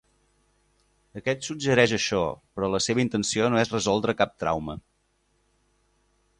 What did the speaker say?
Aquest suggereix això, però la seva intenció no és resoldre cap trauma.